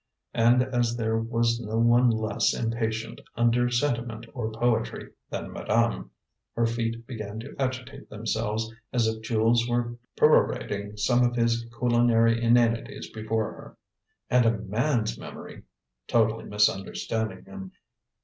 And as there was no one less impatient under sentiment or poetry than madame, her feet began to agitate themselves as if Jules were perorating some of his culinary inanities before her. "And a man's memory!" totally misunderstanding him.